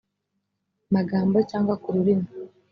magambo cyangwa ku rurimi